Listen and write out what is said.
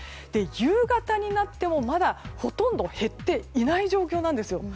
夕方になっても、まだほとんど減っていない状況なんですよ。